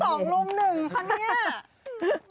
ทำไม๒รวม๑ค่ะนี่